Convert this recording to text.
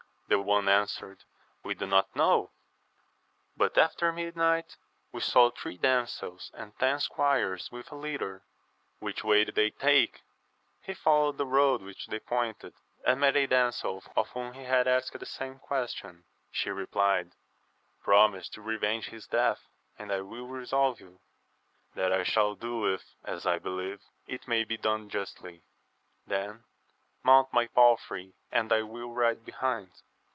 The one answered, we do not know ; but after midnight we saw three damsels and ten squires with a litter. — Which way did they take? He followed the road which they pointed, and met a damsel of whom he ^ked the same qvxea\»\oii. ^'&x«^<2A^^x^\xsisa\«i^<^ AMADIS OF GAUL. 149 venge his death, and I will resolve you. That shall I do, if , as I believe, it may be done justly. Then mount my palfrey, and I will ride behind.